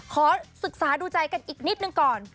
ขอศึกษาดูใจกันอีกนิดนึงก่อน